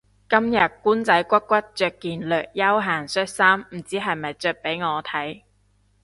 今日官仔骨骨着件略休閒恤衫唔知係咪着畀我睇